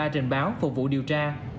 trình báo phục vụ điều tra